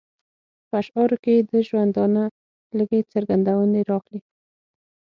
په اشعارو کې یې د ژوندانه لږې څرګندونې راغلې.